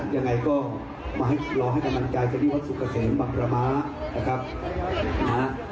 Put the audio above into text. ยังไงก็รอให้กำลังกายจะได้ว่าสุขเสนบังประมาณ